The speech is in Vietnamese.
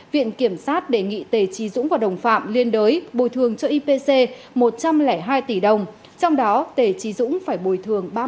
viện kiểm sát đề nghị tể trí dũng và đồng phạm liên đối bồi thường cho ipc một trăm linh hai tỷ đồng trong đó tể trí dũng phải bồi thường ba mươi tám tỷ đồng